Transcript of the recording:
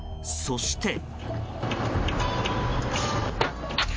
そして。